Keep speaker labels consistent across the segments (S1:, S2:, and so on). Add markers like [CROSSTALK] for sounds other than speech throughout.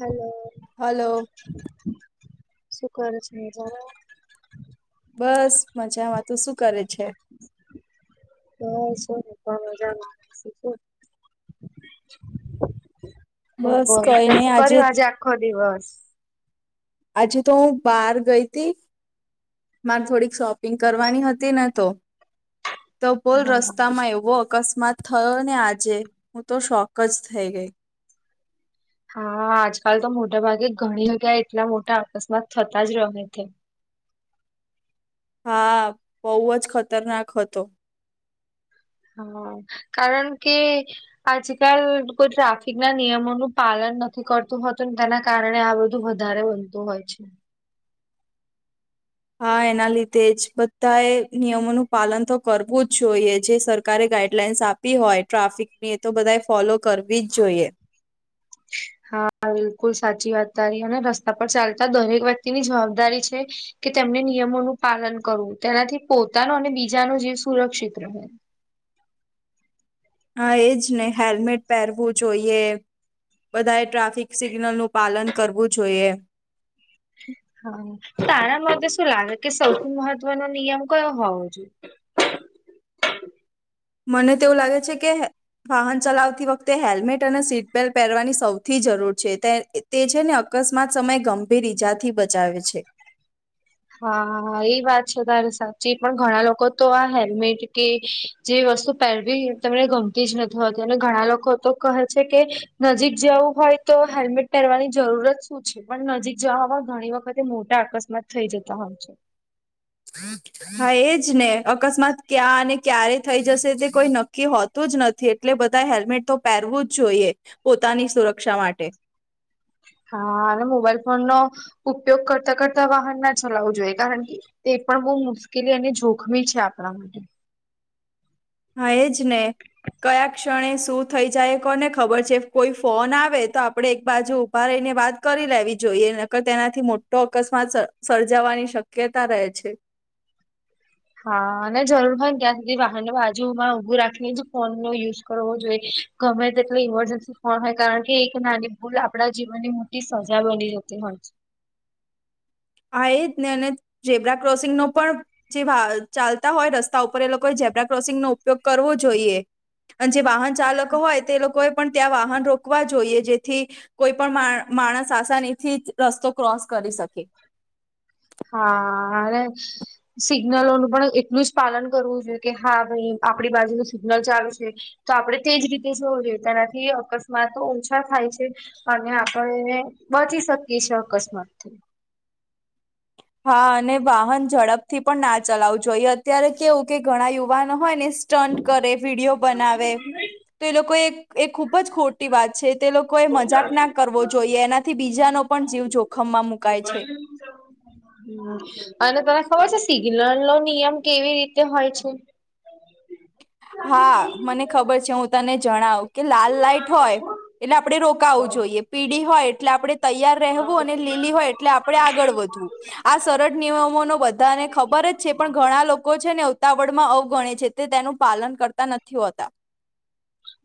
S1: Hello.
S2: Hello.
S1: શું કર [UNINTELLIGIBLE]
S2: બસ મજામાં તું શું કરે છે?
S1: હ શું પણ મજામાં શું.
S2: બસ
S1: [UNINTELLIGIBLE]
S2: કઈ
S1: તે
S2: નહી
S1: શું કર્યું આજે આખો દિવસ
S2: આજે તો હું બહાર ગઈ તી મારે થોડીક શોપિંગ કરવાની હતી ને તો ટબોલ
S1: હા
S2: રસ્તામાં એવો અકસ્માત થયો ને આજે હું તો શોક જ થઈ ગઈ
S1: હા આજકાલ તો મોટા ભાગે ઘણી જગ્યા એટલા મોટા અકસ્માત થતા જ રહે છે.
S2: હા બઉ અ જ ખતરનાક હતો
S1: હ કારણ કે આજકાલ કોઈ ટ્રાફિક ના નિયમોનું પાલન નથી કરતું હતું તેના કારણે આ બધું વધારે બનતું હોય છે.
S2: હા એના લીધે જ બધા એ નિયમોનું પાલન તો કરવું જ જોઈએ જે સરકારે ગાઈડલાઈન્સ આપ ની હોય ટ્રાફિક ની એ તો બધા ફોલો કરવી જ જોઈએ.
S1: હા બિલકુલ સાચી વાત તારી અને રસ્તા પર ચાલતા દરેક વ્યક્તિની જવાબદારી છે. કે તેમને નિયમોનું પાલન કરવું તેનાથી પોતાનો અને બીજાનો જીવ સુરક્ષિત રહે
S2: હા એજ ને હેલ્મેટ પહેરવું જોઈએ. બધાએ ટ્રાફિક સિગ્નલ નું પાલન કરવું જોઈએ
S1: હા તારા માટે શું લાગે કે સૌથી મહત્વનો નિયમ કયો હોવો જોઈએ.
S2: મને તો એવું લાગે છે કે વાહન ચલાવતી વખતે હેલ્મેટ અને સીટબલ્ટ પહેરવાની સૌથી જરૂર છે તે તે છે ને અકસ્માત સમય ગંભીર ઈજાથી બચાવે છે.
S1: હા એ વાત છે તારે સાચી પણ ઘણા લોકો તો આ હેલ્મેટ કે જે વસ્તુ પહેરવી તમને ગમતી જ નથી હોતી અને ઘણા લોકો તો કહે છે કે નજીક જવું હોય તો હેલ્મેટ પહેરવાની જરૂર જ શું છે પણ નજીક જવા હવા ઘણી વખતે મોટા અકસ્માત થઈ જતા હોય છે.
S2: હા એજ ને અકસ્માત ક્યાં અને ક્યારે થઈ જશે તે કોઈ નક્કી હોત તું જ નથી એટલે બધા હેલ્મેટ તો પહેરવું જ જોઈએ પોતાની સુરક્ષા માટે
S1: હા અને મોબાઈલ ફોન નો ઉપયોગ કરતા કરતા વાહન ના ચલાવવું જોઈએ કારણ કે તે પણ બહુ મુશ્કેલી અને જોખમી છે આપણા માટે
S2: હા એજ ને કયા ક્ષણે શું થઈ જાય કોને ખબર છે કોઈ ફોન આવે તો આપડે એક બાજુ ઊભા રહીને વાત કરી લેવી જોઈએ નકર તેનાથી મોટો અકસ્માત સર્જ સર્જાવાની શક્યતા રહે છે.
S1: હા અને જરૂર હોય ને ત્યાં સુધી વાહન બાજુમાં ઊભું રાખીને જ ફોન નો યુઝ કરવો જોઈએ. ગમે તેટલી ઇમરજન્સી હ હોય કારણ કે એક નાની ભૂલ આપડા જીવનની મોટી સજા બની જતી હોય છે.
S2: આ એજ ને અને ઝેબ્રા ક્રોસિંગ નો પણ જે વા ચાલતા હોય રસ્તા ઉપર એ લોકોએ ઝેબ્રા ક્રોસિંગ નો ઉપયોગ કરવો જોઈએ. અને જે વાહન ચાલકો હોય તે લોકોએ પણ ત્યાં વાહન રોકવા જોઈએ જેથી કોઈ પણ માણ માણસ આસાનીથી જ રસ્તો ક્રોસ કરી શકે.
S1: હા અને સિગ્નલોનું પણ એટલું જ પાલન કરવું જોઈએ કે હા ભાઈ આપડી બાજુ ન સિગ્નલ ચાલુ છે તો આપડે તેજ રીતે જોવ [UNINTELLIGIBLE] તેનાથી અકસ્માતો ઓછા થાય છે અને આપણે એને બચી શકીએ છ અકસ્માત
S2: હા અને વાહન ઝડપ થી પણ ના ચલાવું જોઈએ અત્યારે કેવું કે ઘણા યુવાનો હોય ને સ્ટન્ટ કરે વિડીયો બનાવે તો એ લોકો એ એ ખુબ જ ખોટી વાત છે તે લોકો એ મજાક ના કરવો જોઈએ એનાથી બીજાનો પણ જીવ જો ખમમાં મુકાય છે.
S1: હ અને તને ખબર છે સિગ્નલ નો નિયમ કેવી રીતે હોય છે.
S2: હા મને ખબર છે હું તને જણાઉ કે લાલ લાઈટ હોય એટલે આપડે રોકાવું જોઈએ, પીડી હોય એટલે આપડણે તૈયાર રહેવું અને લીલી હોય એટલે આપડે આગળ વધવું. આ સરળ નિયમો નો બધાને ખબર જ છે પણ ઘણા લોકો છે ને ઉતાવડ માં અવગણે છે તે તેનું પાલન કરતા નથી હોતા.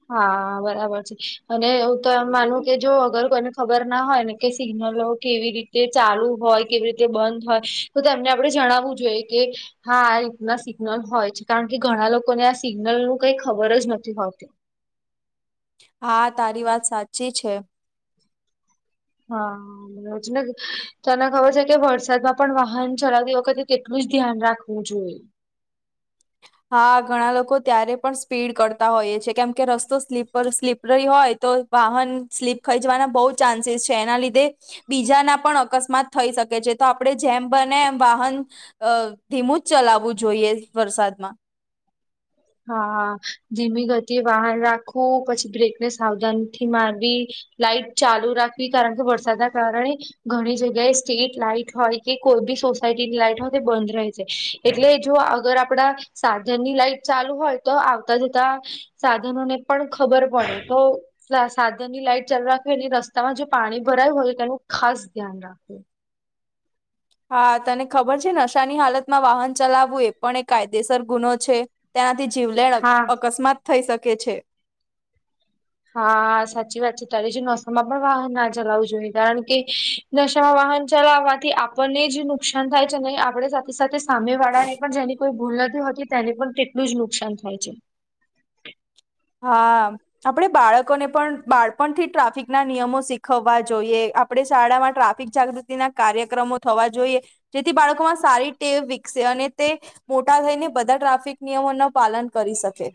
S1: હા બરાબર છે અને હું તો એમ માનું કે જો અગર કોઈને ખબર ના હોય ને કે સિગ્નલો કેવી રીતે ચાલુ હોય કેવી રીતે બંધ હોય તો તેમને આપડે જણાવવું જોઈએ કે હા આ રીતના સિગ્નલ હોય છે કારણ કે ઘણા લોકોને આ સિગ્નલ નું કઈ ખબર જ નથી હોતી.
S2: હા તારી વાત સાચી છે.
S1: હા. તને ખબર છે કે વરસાદમાં પણ વાહન ચલાવતી વખતે તેટલું જ ધ્યાન રાખવું જોઈએ.
S2: હા ઘણા લોકો ત્યારે પણ સ્પીડ કરતા હોઈએ છે કેમ કે રસ્તો સ્લીપર સ્લીપ રહી હોય તો વાહન સ્લીપ ખાઈ જવાના બહુ ચાન્સીસ છે એના લીધે બીજાના પણ અકસ્માત થઈ શકે છે તો આપડે જેમ બને એમ વાહન અ ધીમું જ ચલાવવું જોઈએ વરસાદમાં
S1: હા ધીમી ગતિએ વાહન રાખવું પછી બ્રેકને સાવધાન થી મારવી લાઈટ ચાલુ રાખવી કારણ કે વરસાદના કારણે ઘણી જગ્યાએ સ્ટેટ લાઈટ હોય કે કોઈ બી સોસાયટીની લાઈટ હોય તો બંધ રે છે. એટલે જો અગર આપડા સાધન ની લાઈટ ચાલુ હોય તો આવતા જતા સાધનો ને પણ ખબર પડે તો સાધન ની લાઈટ ચાલુ રાખે એ રસ્તામાં જે પાણી ભરાયું હોય તેનું ખાસ ધ્યાન રાખવુ
S2: હા તને ખબર છે નશાની હાલતમાં વાહન ચલાવવું એ પણ એક કાયદેસર ગુનો છે. તેનાથી જીવલેણ
S1: હા
S2: અક અકસ્માત થઈ શકે છે.
S1: હા સાચી વાત છે તારી જે નોસમ માં પણ વાહન ના ચલાવું જોઈએ કારણ કે નશામાં વાહન ચલાવાથી આપણને જે નુકસાન થાય છે ને આપડે સાથે સાથે સામે વાળા ને પણ જેની કોઈ ભૂલ નથી હોતી તેને પણ તેટલું જ નુકસાન થાય છે.
S2: હા આપડે બાળકોને પણ બાળપણથી ટ્રાફિક ના નિયમો શીખવા જોઈએ. આપણે શાળામાં ટ્રાફિક જાગૃતિ ના કાર્યક્રમો થવા જોઈએ જેથી બાળકોમાં સારી ટેવ વિકસે અને તે મોટા થઈને બધા ટ્રાફિક નિયમો નો પાલન કરી શકે.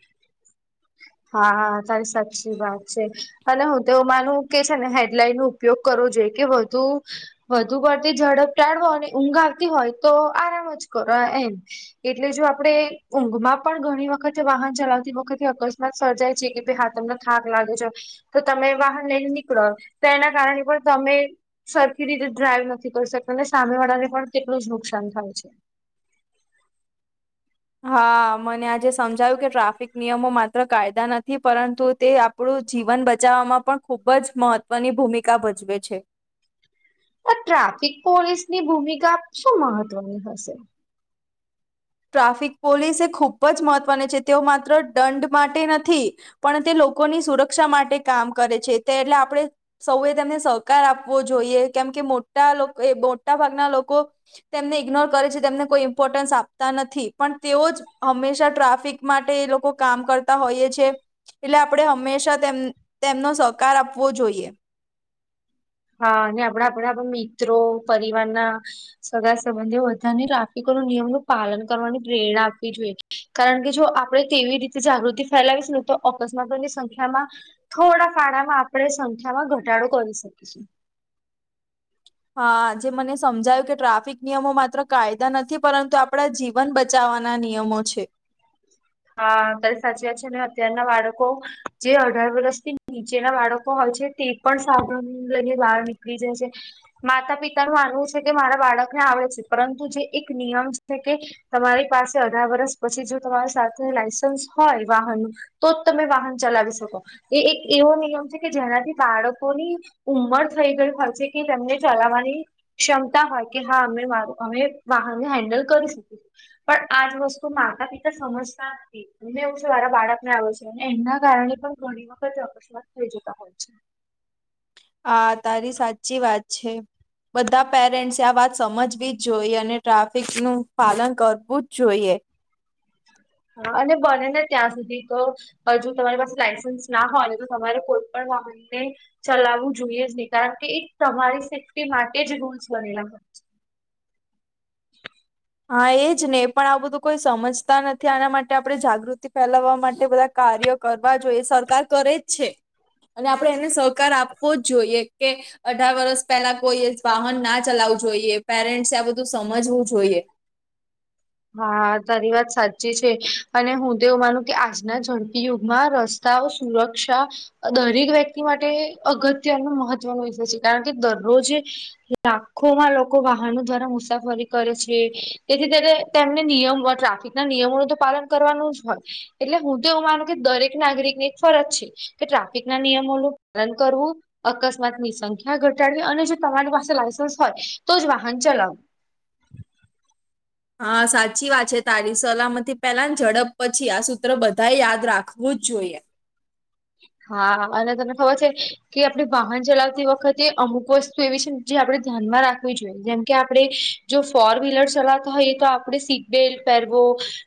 S1: હા તારી સાચી વાત છે અને હુંતો એવું માનું કે છે ને હેડલાઈન નું ઉપયોગ કરો જોઈ કે વધુ વધુ પડતી ઝડપ ટાળવો અને ઊંઘ આવતી હોય તો આરામ જ કરો એ એમ એટલે જો આપડે ઊંઘમાં પણ ઘણી વખતે વાહન ચલાવતી વખતે અક સર્જાય છે કે ભાઈ હા તમને થાક લાગ્યો છ તો તમે વાહન લઈને નીકળો તો એના કારણે પણ તમે સરખી રીતે ડ્રાઈવ નથી કરી શકતા અને સામે વાળાને પણ કેટલું જ નુકસાન થાય છે
S2: હા મને આજે સમજાયું કે ટ્રાફિક નિયમો માત્ર કાયદા નથી પરંતુ તે આપણું જીવન બચાવવામાં પણ ખુબ જ મહત્વની ભૂમિકા ભજવે છે.
S1: આ ટ્રાફિક પોલીસની ભૂમિકા શું મહત્વની હશે.
S2: ટ્રાફિક પોલીસ એ ખૂબ જ મહત્વની છે તેઓ માત્ર દંડ માટે નથી પણ તે લોકોની સુરક્ષા માટે કામ કરે છે તે એટલે આપણે સૌએ તેમને સહકાર આપવો જોઈએ કેમ કે મોટા એ મોટા ભાગના લોકો તેમને ઇગ્નોર કરે છે તેમને કોઈ ઇમ્પોર્ટન્સ આપ તા નથી પણ તેઓ જ હંમેશા ટ્રાફિક માટે એ લોકો કામ કરતા હોઈએ છે. એટલે આપણે હંમેશા તેમ તેમનો સહકાર આપવો જોઈએ.
S1: હા અને આપણા આપણા મિત્રો પરિવારના સગા સંબંધે બધાને ટ્રાફિકો ન નિયમ નું પાલન કરવાની પ્રેરણા આપવી જોઈએ. કારણ કે જો આપણે કેવી રીતે જાગૃતિ ફેલાવીશ ને તો અકસ્માતોની સંખ્યામાં થોડા ફાડામાં આપણે સંખ્યામાં ઘટાડો કરી શકીશું.
S2: હા જ મને સમજાયું કે ટ્રાફિક નિયમો માત્ર કાયદા નથી પરંતુ આપણા જી વન બચાવવાના નિયમો છે.
S1: હા અત્યારે સાચી વાત છે અને અત્યારના બાળકો જે અઢાર વર્ષથી નીચેના બાળકો હોય છે તે પણ સાધન લઈને બહાર નીકળી જાય છે. માતા પિતા ન માનવું છે કે મારા બાળકને આવડે છે પરંતુ જે એક નિયમ છે કે તમારી પાસે અઢાર વર્સ પછી જો તમારી સાથે લાયસન્સ હોય વાહનનું તો જ તમે વાહન ચલાવી શકો એ એક એવો નિયમ છે કે જેનાથી બાળકોની ઉમર થઈ ગય હોય છે કે તેમને ચલાવવાની ક્ષમતા હોય કે હા અમે મારું અમે વાહનને હેન્ડલ કરી શકીએ. પણ આજ વસ્તુ માતા પિતા સમજ ને એવું છે મારા બાળક ને આવે છે અને એમના કારણે પણ ઘણી વખત થઈ જતા હોય છે.
S2: હા તારી સાચી વાત છે. બધા પેરેન્ટ્સે આ વાત સમજવી જ જોઈએ અને ટ્રાફિક નું પાલન કરવું જ જોઈએ.
S1: હા અને બને ને ત્યાં સુધી તો. હજુ તમારી પાસે લાયસન્સ ના હોય ને તો તમારે કોઈ પણ વાહનને ચલાવવું જોઈએ જ નહી કારણ કે એક તમારી સેફ્ટી માટે જ રૂલ્સ બનેલા હોય છે.
S2: હા એજ ને પણ આ બધું કોઈ સમજતા નથી આના માટે આપણે જાગૃતિ ફેલાવવા માટે બધા કાર્ય કરવા જોઈએ સરકાર કરે જ છે. અને આપણે એને સહકાર આપવો જ જોઈએ કે અઢાર વર્સ પહેલા કોઈએ વાહન ના ચલાવું જોઈએ પેરેન્ટ્સ આ બધું સમજવું જોઈએ.
S1: હા તારી વાત સાચી છે અને હું તો એવું માનું કે આજના ઝડપી યુગમાં રસ તાઓ સુરક્ષા દરેક વ્યક્તિ માટે અગત્યનો મહત્વનો વિષય છે કારણ કે દરરોજ લાખોમાં લોકો વાહનો દ્વારા મુસાફરી કરે છે તેથી ત્યારે તેમને નિયમ ટ્રાફિક ના નિયમોનું તો પાલન કરવાનું જ હોય. એટલે હું તો એવું માનું કે દરેક નાગરિક ની એક ફરજ છે કે ટ્રાફિક ના નિયમોનું પાલન કરવું અકસ્માત ની સંખ્યા ઘટાડી અને જો તમારી પાસે લાયસન્સ હોય તો જ વાહન ચલાવુ.
S2: હા સાચી વાત છે તારી સલામતી પેલા ઝડપ પછી આ સૂત્ર બધા યાદ રાખવું જ જોઈએ.
S1: હા અને તમને ખબર છે. કે આપણે વાહન ચલાવતી વખતે અમુક વસ્તુ એવી છે જે આપણે ધ્યાનમાં રાખવી જોઈએ જેમકે આપણે જો ફોર વ્હીલર ચલાતા હોય એ તો આપણે સીટ બેલ્ટ પહેરવો.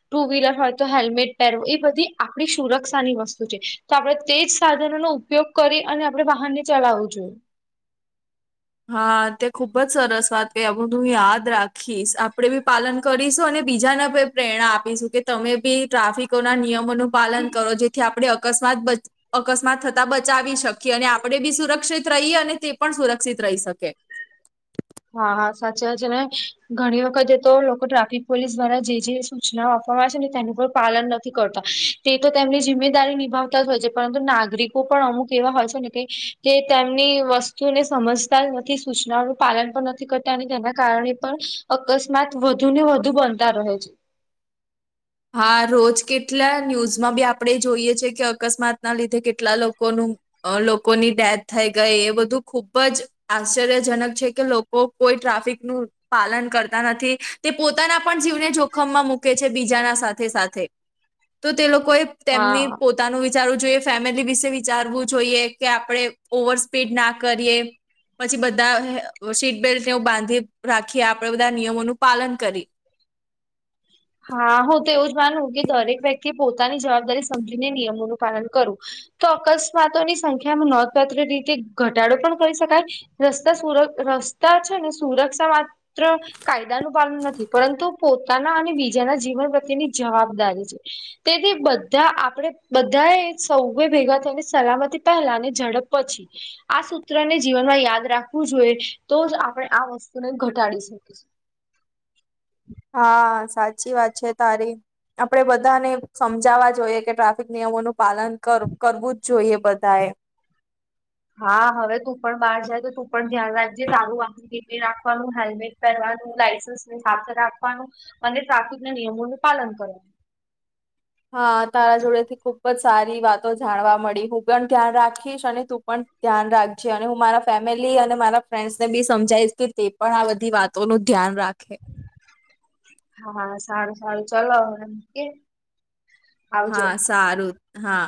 S1: ટુ વ્હીલર હોય તો હેલ્મેટ પહેરવું એ બધી આપણી સુરક્ષાની વસ્તુ છે. તો આપણે તેજ સાધનોનો ઉપયોગ કરી અને આપણે વાહનને ચલાવવું જોઈએ.
S2: હા તે ખુબ જ સરસ વાત કરી આ બધુ યાદ રાખીશ આપડે બી પાલન કરીશું અને બીજાને પ્રેરણા આપીશું કે તમે બી ટ્રાફિકો ના નિયમોનું પાલન કરો જેથી આપણે અકસ્માત અકસ્માત થતા બચાવી શક કીએ અને આપણે બી સુરક્ષિત રહીએ અને તે પણ સુરક્ષિત રહી શકે.
S1: હા હા સાચી વાત છે ઘણી વખત એ તો લોકો ટ્રાફિક પોલીસ દ્વારા જે જે સૂચના આપવામાં છે ને તેનું પણ પાલન નથી કરતા તે તો તેમની જિમ્મેદારી નિભાવતા જ હોય છે પરંતુ નાગરિક લોકો પણ અમુક એવા હોય છે ને તેમની વસ્તુને સમજતા નથી સૂચનાઓ પાલન પણ નથી કરતા અને તેના કારણે પણ અકસ્માત વધુ ને વધુ બનતા રહે છે.
S2: હા રોજ કેટલા ન્યૂઝમાં બી આપણે જોઈએ છીએ કે અકસ્માત ના લીધે કેટલા લોકોનું અ લોકોની ડેથ થઈ ગઈ એ બધું ખુબ જ આશ્ચર્યજનક છે કે લોકો કોઈ ટ્રાફિક નું પાલન કરતા નથી તે પોતાના પણ જીવને જોખમમાં મૂકે છે બીજાના સાથે સાથે તો તે લોકોએ
S1: હા
S2: તેમની પો પોતાનું વિચારવું જોઈએ, ફેમિલી વિશે વિચારવું જોઈએ કે આપડે ઓવર સ્પીડ ના કરીએ પછી બધા સીટબેલ્ટ ને બાંધી રાખી આપણેે બધા નિયમોનું પાલન કરી.
S1: હા હું તો એવું જ માનું કે દરેક વ્યક્તિ પોતાની જવાબદારી સમજીને નિયમોનું પાલન કરવું. તો અકસ્માતોની સંખ્યામાં નોંધપાત્ર રીતે ઘટાડો પણ કરી શકાય. રસ્તા સુર રસ્તા છે ને સુરક્ષામાં ત્ર કાયદાનું પાલન નથી પરંતુ પોતાના અને બી જેના જીવન પ્રત્યેની જવાબદારી છે. તેથી બધા આપણે બધાએ સૌએ ભેગા થઈને સલામતીતા પહેલા ની ઝડપ પછી આ સૂત્રને જીવનમાં યાદ રાખવું જોઈએ તો જ આપણે આ વસ્તુને ઘટાડી શકીશું.
S2: હા સાચી વાત છે તારી આપડે બધાને સમજાવવા જોઈએ કે ટ્રાફિક નિયમોનું પાલન કરવું જ જોઈએ બધા એ.
S1: હા હવે તું પણ બહાર જાય તો તું પણ ધ્યાન રાખજે સારું વા [INAUDIBLE] આપવાનું, હેલ્મેટ પહેરવાનું, લાયસન્સની સાથે રાખવાનું. અને ટ્રાફિક ના નિયમોનું પાલન કરવાનું.
S2: હા તારા જોડે થી ખુબ જ સારી વાતો જાણવા મળી હું પણ ધ્યાન રાખીશ અને તું પણ ધ્યાન રાખજે અને હું મારા ફેમિલી અને મારા ફ્રેન્ડસ ને બી સમજાઈશ કે તે પણ આ બધી વાત તોનું ધ્યાન રાખે.
S1: હા સારું સારું ચલો હવે મુકીએ.
S2: હા સારું હા.